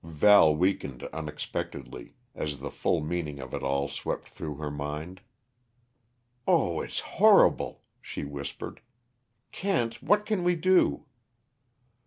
Val weakened unexpectedly, as the full meaning of it all swept through her mind. "Oh, it's horrible!" she whispered. "Kent, what can we do?"